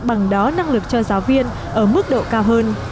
bằng đó năng lực cho giáo viên ở mức độ cao hơn